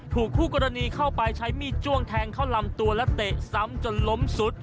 คู่กรณีเข้าไปใช้มีดจ้วงแทงเข้าลำตัวและเตะซ้ำจนล้มสุด